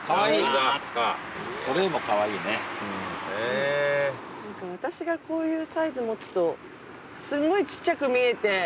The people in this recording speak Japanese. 何か私がこういうサイズ持つとすんごいちっちゃく見えて。